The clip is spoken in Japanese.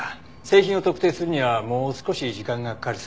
製品を特定するにはもう少し時間がかかりそうです。